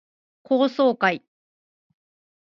高層階